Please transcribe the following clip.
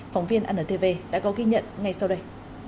phóng viên antv đã có ghi nhận ngay sau đây